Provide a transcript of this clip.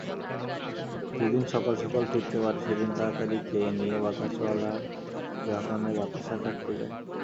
যেদিন সকাল সকাল ফিরতে পারে সেদিন তাড়াতাড়ি খেয়ে নিয়ে বাতাসাওয়ালার দোকানে বাতাসা কাটতে যায়।